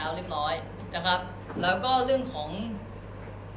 มีการเหมาลำที่คุณชอบมาก